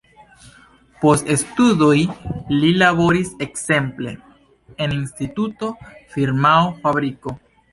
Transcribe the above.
Post studoj li laboris ekzemple en instituto, firmao, fabriko.